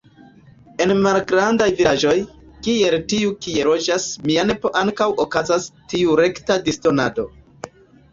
En malgrandaj vilaĝoj, kiel tiu kie loĝas mia nepo ankaŭ okazas tiu rekta disdonado.